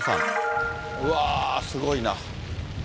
うわー、すごいな。